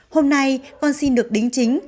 hôm nay con xin được đính chính